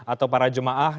atau para jemaah